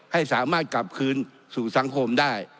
ให้สามารถกลับคืนสู่สังคมได้